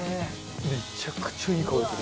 めちゃくちゃいい香りする。